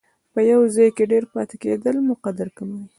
په یو ځای کې ډېر پاتې کېدل مو قدر کموي.